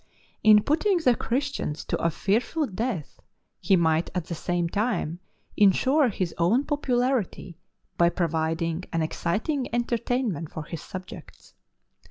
In putting the Christians to a fearful death he might at the same time insure his own popularity by providing an exciting entertainment for his subjects.